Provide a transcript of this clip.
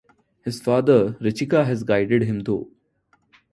His father, Richika had guided him though.